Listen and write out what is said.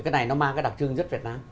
cái này nó mang cái đặc trưng rất việt nam